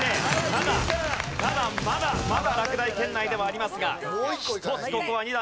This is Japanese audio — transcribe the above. ただただまだまだ落第圏内ではありますが一つここは２段上がった。